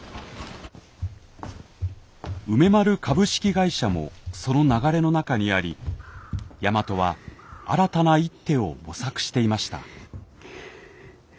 梅丸株式会社もその流れの中にあり大和は新たな一手を模索していました。